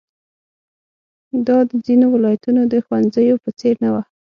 دا د ځینو ولایتونو د ښوونځیو په څېر نه وه.